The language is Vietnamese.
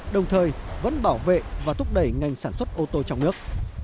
đồng thời vẫn bảo vệ và thúc đẩy ngành sản xuất ô tô trong nước